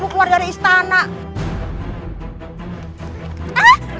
kau harus lihat khayal kita terus